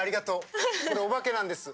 これおばけなんです。